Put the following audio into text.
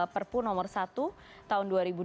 perpu nomor satu tahun dua ribu dua puluh